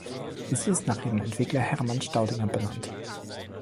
Sie ist nach ihrem Entwickler Hermann Staudinger benannt.